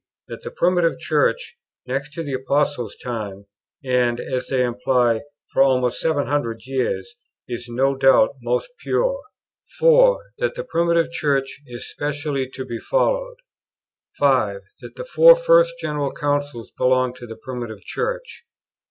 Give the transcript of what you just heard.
That the Primitive Church, next to the Apostles' time, and, as they imply, for almost 700 years, is no doubt most pure. 4. That the Primitive Church is specially to be followed. 5. That the Four first General Councils belong to the Primitive Church.